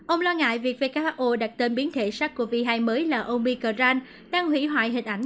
ông lo ngại việc who đặt tên biến thể sars cov hai mới là omic ran đang hủy hoại hình ảnh